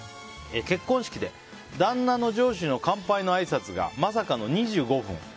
結婚式で旦那の上司の乾杯のあいさつがまさかの２５分。